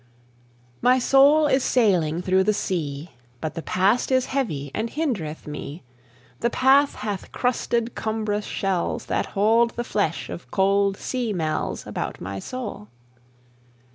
My soul is sailing through the sea, But the Past is heavy and hindereth me. The Past hath crusted cumbrous shells That hold the flesh of cold sea mells About my soul.